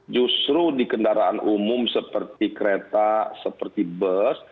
justru di kendaraan umum seperti kereta seperti bus